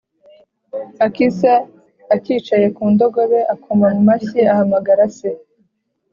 Akisa acyicaye ku ndogobe akoma mu mashyi ahamagara se.